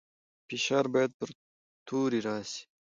فشار باید پر توري راسي.